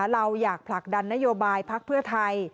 เราอยากผลักดันนโยบายพักเพื่อไทย